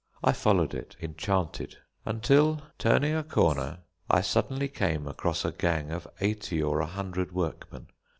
I followed it enchanted until, turning a corner, I suddenly came across a gang of eighty or a hundred workmen.